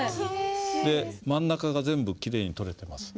で真ん中が全部きれいに取れてます。